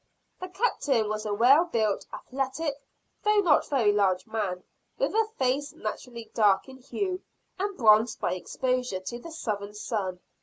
The Captain was a well built, athletic, though not very large man, with a face naturally dark in hue, and bronzed by exposure to the southern sun.